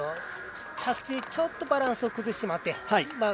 着地でちょっとバランスを崩してしまって。